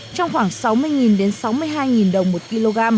trong khoảng sáu mươi sáu mươi hai đồng một kg